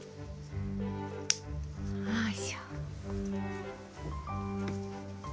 よいしょ。